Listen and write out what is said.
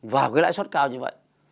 vào cái lãi suất cao như vậy